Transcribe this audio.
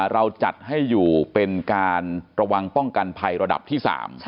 เราจัดให้อยู่เป็นการระวังป้องกันภัยระดับที่๓